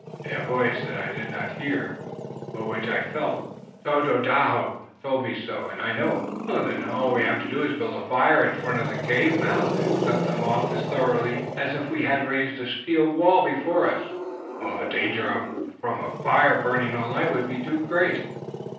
In a voice that I did not hear, but which I felt, Tododaho told me so, and I know." "Then all we have to do is to build a fire in front of the cave mouth and shut them off as thoroughly, as if we had raised a steel wall before us." "The danger from a fire burning all night would be too great.